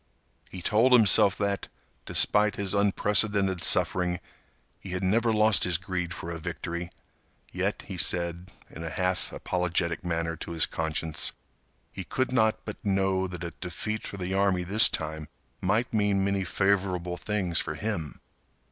He told himself that, despite his unprecedented suffering, he had never lost his greed for a victory, yet, he said, in a half apologetic manner to his conscience, he could not but know that a defeat for the army this time might mean many favorable things for him.